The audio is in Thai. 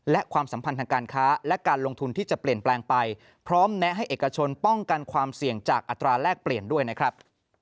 และความสัมพันธ์ทางการค้าและการลงทุนที่จะเปลี่ยนแปลงไปพร้อมแนะให้เอกชนป้องกันความเสี่ยงจากอัตราแลกเปลี่ยนด้วยนะครับ